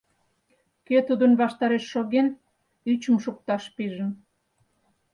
Кӧ тудын ваштареш шоген — ӱчым шукташ пижын.